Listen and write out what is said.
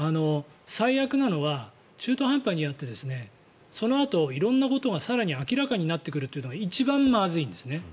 最悪なのは中途半端にやってそのあと色んなことが色々明らかになってくるのが一番まずいんですね。